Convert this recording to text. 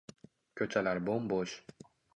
koʼchalar boʼm-boʼsh